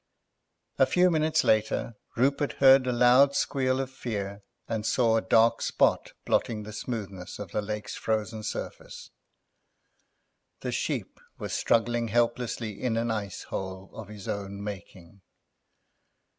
A few minutes later Rupert heard a loud squeal of fear, and saw a dark spot blotting the smoothness of the lake's frozen surface. The Sheep was struggling helplessly in an ice hole of his own making.